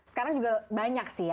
sekarang juga banyak sih ya